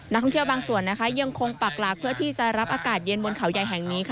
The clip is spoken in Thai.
ท่องเที่ยวบางส่วนยังคงปักหลักเพื่อที่จะรับอากาศเย็นบนเขาใหญ่แห่งนี้ค่ะ